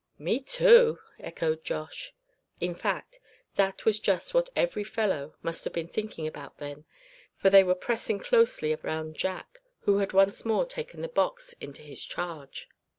"Me too," echoed Josh. In fact, that was just what every fellow must have been thinking about then; for they were pressing closely around Jack, who had once more taken the box into his charge.